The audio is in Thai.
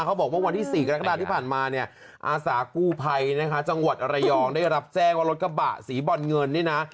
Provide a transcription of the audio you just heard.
เขาบอกว่าวันที่๔กรกฎาที่ผ่านมาอาสากู้ภัยจังหวัดระยองได้รับแจ้งว่ารถกระบะสีบ่อนเงิน